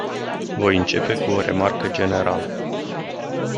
Voi începe cu o remarcă generală.